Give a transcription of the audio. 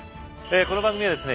この番組はですね